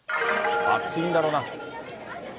暑いんだろうな。